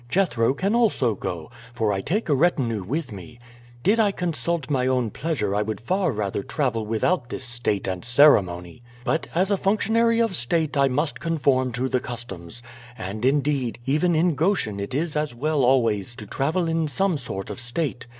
"Jethro can also go, for I take a retinue with me. Did I consult my own pleasure I would far rather travel without this state and ceremony; but as a functionary of state I must conform to the customs. And, indeed, even in Goshen it is as well always to travel in some sort of state.